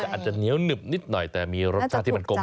แต่อาจจะเหนียวหนึบนิดหน่อยแต่มีรสชาติที่มันกลม